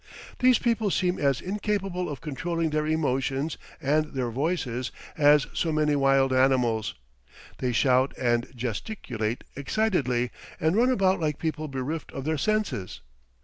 These people seem as incapable of controlling their emotions and their voices as so many wild animals; they shout and gesticulate excitedly, and run about like people bereft of their senses.